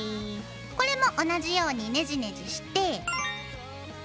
これも同じようにねじねじして。